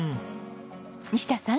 西田さん。